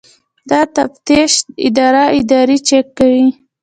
د تفتیش اداره ادارې چک کوي